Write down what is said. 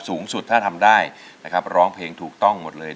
สูงสุดถ้าทำได้นะครับร้องเพลงถูกต้องหมดเลย